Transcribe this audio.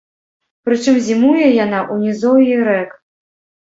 Прычым зімуе яна ў нізоўі рэк.